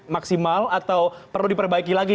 maksimal atau perlu diperbaiki lagi